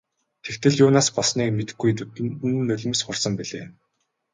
Тэгтэл юунаас болсныг мэдэхгүй нүдэнд нь нулимс хурсан билээ.